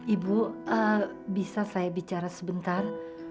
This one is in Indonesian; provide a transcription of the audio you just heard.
ibu bisa saya bicara sebentar